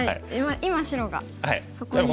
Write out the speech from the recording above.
今白がそこに。